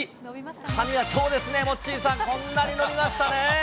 髪が、そうですね、モッチーさん、こんなに伸びましたね。